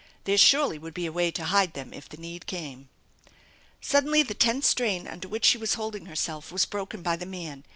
There surely would be a way to hide them if the need came. Suddenly the tense strain under which she was holding herself was broken by the man.